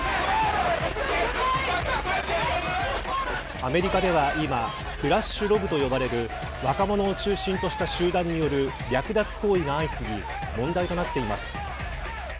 アメリカでは今フラッシュロブと呼ばれる若者を中心とした集団による略奪行為が相次ぎ問題となっています。